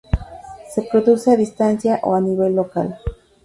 Se produce a distancia o a nivel local.